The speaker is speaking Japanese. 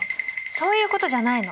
そういうことじゃないの。